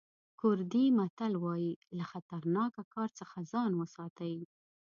کوردي متل وایي له خطرناکه کار څخه ځان وساتئ.